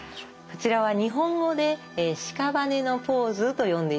こちらは日本語でしかばねのポーズと呼んでいます。